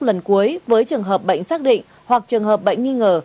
lần cuối với trường hợp bệnh xác định hoặc trường hợp bệnh nghi ngờ